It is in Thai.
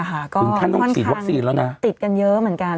ก็ค่อนข้างปิดกันเยอะเหมือนกัน